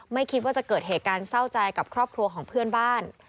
ไม่คิดว่าจะเกิดเหตุการณ์เศร้าใจกับครอบครัวของเพื่อนบ้าน